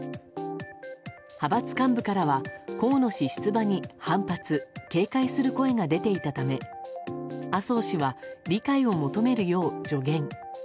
派閥幹部からは、河野氏出馬に反発・警戒する声が出ていたため麻生氏は、理解を求めるよう助言。